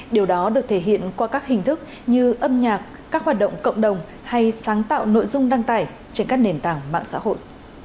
điều đó được thể hiện qua các hình thức như âm nhạc các hoạt động cộng đồng hay sáng tạo nội dung đăng tải trên các nền tảng mạng xã hội